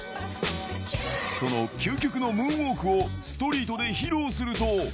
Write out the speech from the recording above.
その究極のムーンウォークをストリートで披露すると。